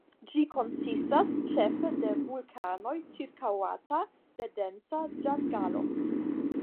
Ĝi konsistas ĉefe de vulkanoj ĉirkaŭata de densa ĝangalo.